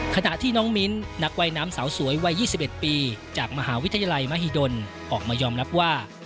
ขณะที่น้องมิ้นนักว่ายน้ำสาวสวยวัย๒๑ปีจากมหาวิทยาลัยมหิดลออกมายอมรับว่า